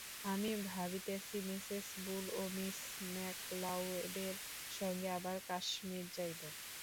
আমি ভাবিতেছি, Mrs Bull ও মিস ম্যাকলাউডের সঙ্গে আবার কাশ্মীর যাইব।